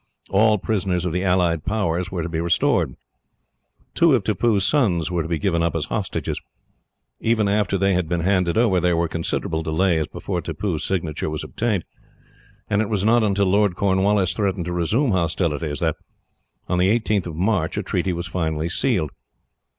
All prisoners of the allied powers were to be restored. Two of Tippoo's sons were to be given up as hostages. Even after they had been handed over, there were considerable delays before Tippoo's signature was obtained, and it was not until Lord Cornwallis threatened to resume hostilities that, on the 18th of March, a treaty was finally sealed.